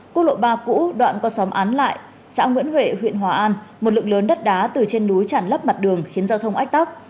quốc lộ ba cũ đoạn qua xóm án lại xã nguyễn huệ huyện hòa an một lượng lớn đất đá từ trên núi chản lấp mặt đường khiến giao thông ách tắc